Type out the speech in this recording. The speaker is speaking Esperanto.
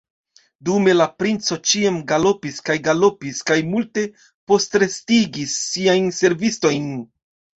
Dume la princo ĉiam galopis kaj galopis kaj multe postrestigis siajn servistojn.